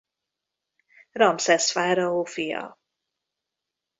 Ramszesz fáraó fia.